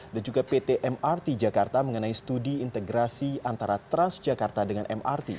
dan juga pt mrt jakarta mengenai studi integrasi antara transjakarta dengan mrt